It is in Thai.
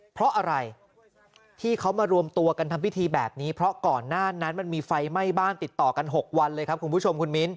เพราะอะไรที่เขามารวมตัวกันทำพิธีแบบนี้เพราะก่อนหน้านั้นมันมีไฟไหม้บ้านติดต่อกัน๖วันเลยครับคุณผู้ชมคุณมิ้น